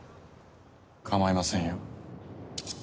かまいませんよ。